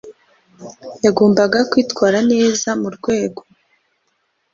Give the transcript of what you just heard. yagombaga kwitwara neza mu rwego